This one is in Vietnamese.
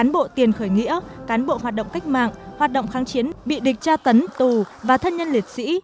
cán bộ tiền khởi nghĩa cán bộ hoạt động cách mạng hoạt động kháng chiến bị địch tra tấn tù và thân nhân liệt sĩ